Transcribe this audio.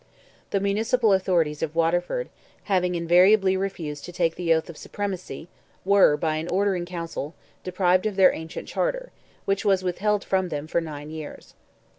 The municipal authorities of Waterford, having invariably refused to take the oath of supremacy, were, by an order in Council, deprived of their ancient charter, which was withheld from them for nine years.